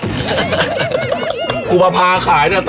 คิดว่าหนูจะนีใจมากว่าไอ้ยแจกยังรบ